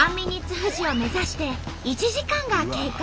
富士を目指して１時間が経過。